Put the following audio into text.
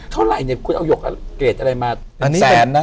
เท่าไหร่เนี่ยคุณเอาหยกเกรดอะไรมาเป็นแสนนะ